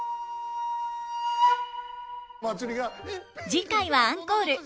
次回はアンコール。